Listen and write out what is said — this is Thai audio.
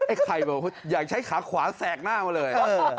ไข่บอกอยากใช้ขาขวาแสกหน้ามาเลย